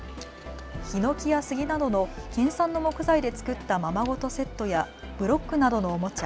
ヒノキや杉などの県産の木材で作った、ままごとセットやブロックなどのおもちゃ